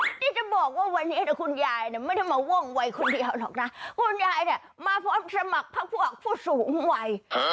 นี่จะบอกว่าวันนี้คุณยายเนี่ยไม่ได้มาว่องวัยคนเดียวหรอกนะคุณยายเนี่ยมาพร้อมสมัครพักพวกผู้สูงวัย